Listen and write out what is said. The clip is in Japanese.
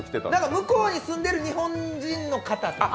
向こうに住んでいる日本人の方。